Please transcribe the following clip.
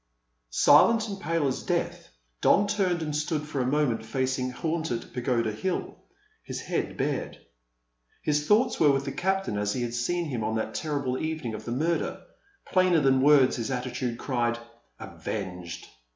Silent and pale as death, Don turned and stood for a moment facing Haunted Pagoda Hill, with head bared. His thoughts were with the captain as he had seen him on that terrible evening of the murder. Plainer than words his attitude cried: "Avenged!"